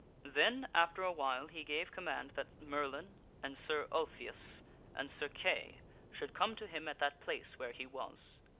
Then, after a while, he gave command that Merlin, and Sir Ulfius, and Sir Kay should come to him at that place where he was.